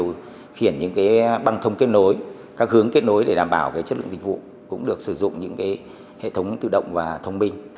điều khiển những băng thông kết nối các hướng kết nối để đảm bảo chất lượng dịch vụ cũng được sử dụng những hệ thống tự động và thông minh